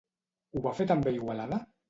Ho va fer també a Igualada?